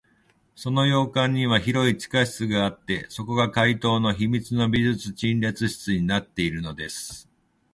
その洋館には広い地下室があって、そこが怪盗の秘密の美術陳列室になっているのです。